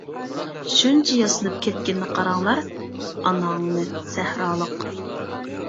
شۇنچە ياسىنىپ كەتكىنىنى قاراڭلار، ئاناڭنى سەھرالىق.